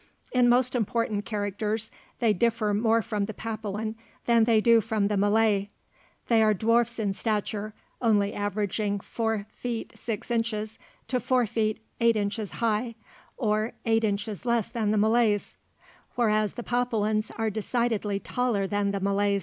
In most important characters they differ more from the Papuan than they do from the Malay. They are dwarfs in stature, only averaging four feet six inches to four feet eight inches high, or eight inches less than the Malays; whereas the Papuans are decidedly taller than the Malays.